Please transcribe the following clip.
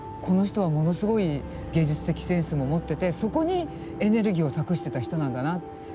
この人はものすごい芸術的センスも持っててそこにエネルギーを託してた人なんだな。